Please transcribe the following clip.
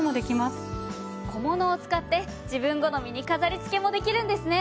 小物を使って自分好みに飾り付けもできるんですね。